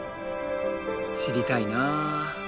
知りたいな。